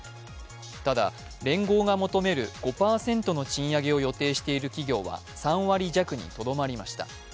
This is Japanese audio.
ただ、連合が求める５％の賃上げを予定している企業は３割弱にとどまりました。